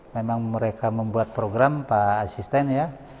memang mereka membuat program pak asisten ya